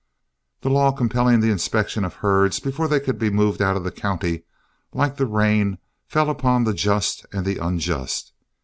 The law compelling the inspection of herds before they could be moved out of the county, like the rain, fell upon the just and the unjust.